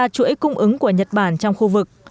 cung ứng của nhật bản trong khu vực